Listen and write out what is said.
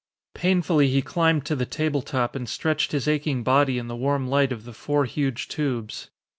Painfully he climbed to the table top and stretched his aching body in the warm light of the four huge tubes.